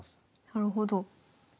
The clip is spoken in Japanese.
なるほど。